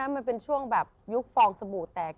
มันเป็นช่วงแบบยุคฟองสบู่แตก